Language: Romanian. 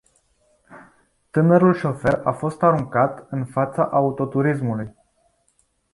Tânărul șofer a fost aruncat în fața autoturismului.